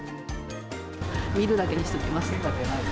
見るだけにしておきます。